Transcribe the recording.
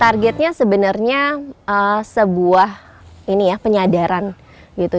targetnya sebenarnya sebuah ini ya penyadaran gitu